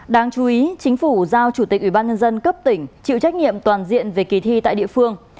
đáng chú ý chính phủ giao chủ tịch ủy ban nhân dân cấp tỉnh chịu trách nhiệm toàn diện về kỳ thi tại địa phương